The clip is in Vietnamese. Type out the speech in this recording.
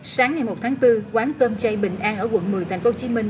sáng ngày một tháng bốn quán cơm chay bình an ở quận một mươi thành phố hồ chí minh